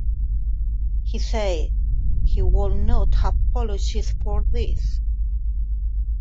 He said he would not apologise for this.